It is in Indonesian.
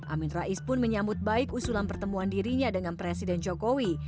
amin rais pun menyambut baik usulan pertemuan dirinya dengan presiden jokowi